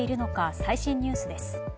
最新ニュースです。